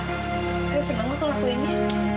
saya seneng aku ngelakuinnya